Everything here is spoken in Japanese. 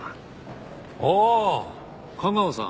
ああ架川さん。